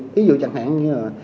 ví dụ chẳng hạn như là